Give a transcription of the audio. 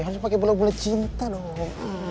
harus pake bola bola cinta dong